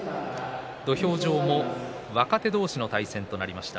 土俵上は若手同士の対戦ということになりました。